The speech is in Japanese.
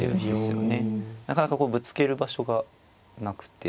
なかなかぶつける場所がなくて。